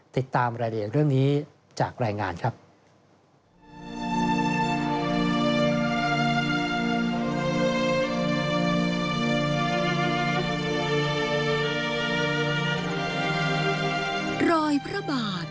ติดตามรายละเอียดเรื่องนี้จากรายงานครับ